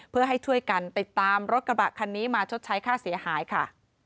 เพื่อให้ช่วยกันติดตามรถกระบะคันนี้มาชดใช้ค่าเสียหายค่ะ